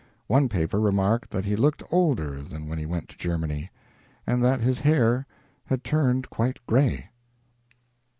One paper remarked that he looked older than when he went to Germany, and that his hair had turned quite gray.